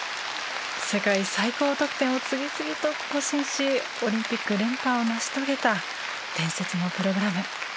世界最高得点を次々と更新しオリンピック連覇を成し遂げた伝説のプログラム。